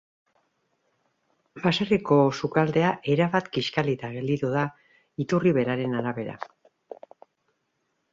Baserriko sukaldea erabat kiskalita gelditu da, iturri beraren arabera.